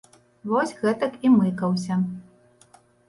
Вось гэтак і мыкаўся.